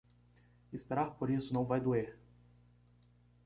Esperar por isso não vai doer.